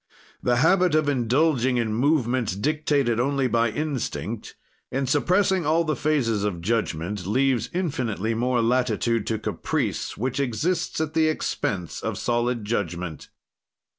The habit of indulging in movements dictated only by instinct, in suppressing all the phases of judgment leaves infinitely more latitude to caprice, which exists at the expense of solid judgment.